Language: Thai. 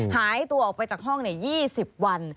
หายตัวออกไปจากห้อง๒๐วัน